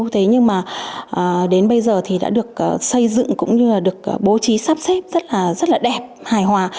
thế nhưng mà đến bây giờ thì đã được xây dựng cũng như là được bố trí sắp xếp rất là đẹp hài hòa